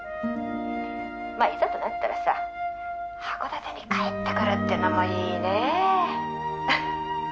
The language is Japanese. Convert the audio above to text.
「まあいざとなったらさ函館に帰ってくるってのもいいね」